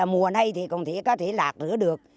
mùa này thì có thể lạc rửa được